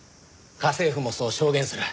家政婦もそう証言する。